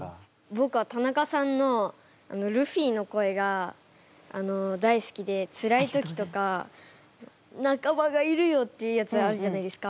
ぼくは田中さんのルフィの声が大好きでつらい時とか「仲間がいるよ！」っていうやつあるじゃないですか。